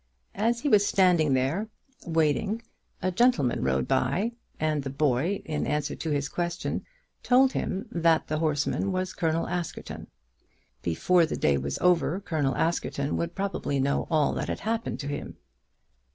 As he was standing there, waiting, a gentleman rode by, and the boy, in answer to his question, told him that the horseman was Colonel Askerton. Before the day was over Colonel Askerton would probably know all that had happened to him.